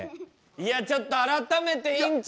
いやちょっと改めて院長